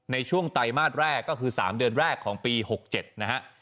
ในช่วงไตรมาสแรกก็คือ๓เดือนแรกของปี๖๗นะฮะ